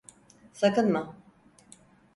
Sakınma.